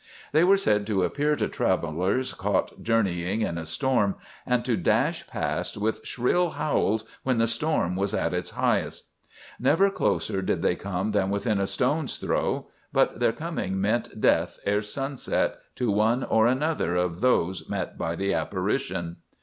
"They were said to appear to travellers caught journeying in a storm, and to dash past with shrill howls when the storm was at its highest. "Never closer did they come than within a stone's throw; but their coming meant death ere sunset to one or another of those met by the apparition.